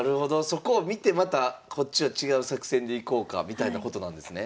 そこを見てまたこっちは違う作戦でいこうかみたいなことなんですね。